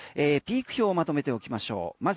ピーク表まとめておきましょう。